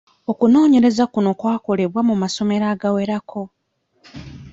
Okunoonyereza kuno kwa kolebwa mu masomero agawerako.